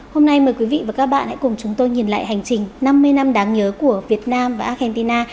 hôm nay mời quý vị và các bạn hãy cùng chúng tôi nhìn lại hành trình năm mươi năm đáng nhớ của việt nam và argentina